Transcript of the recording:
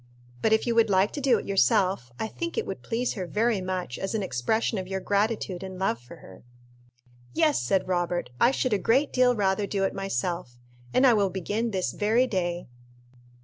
But if you would like to do it yourself, I think it would please her very much as an expression of your gratitude and love for her." "Yes," said Robert, "I should a great deal rather do it myself, and I will begin this very day."